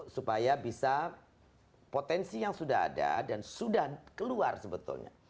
supaya bisa potensi yang sudah ada dan sudah keluar sebetulnya